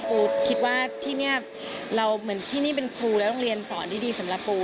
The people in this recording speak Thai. คิดว่าที่นี่เราเหมือนที่นี่เป็นครูและโรงเรียนสอนที่ดีสำหรับปู